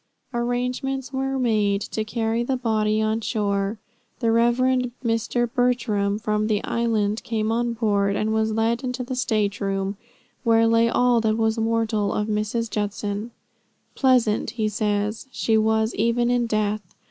Arrangements were made to carry the body on shore. The Rev. Mr. Bertram from the Island came on board, and was led into the state room where lay all that was mortal of Mrs. Judson. "Pleasant," he says, "she was even in death.